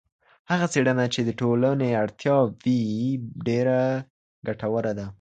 هغه څېړنه چي د ټولني اړتیا وي ډېره ګټوره ده.